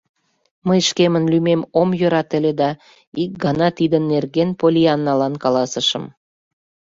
Мый шкемын лӱмем ом йӧрате ыле да ик гана тидын нерген Поллианналан каласышым.